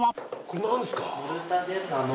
これなんですか？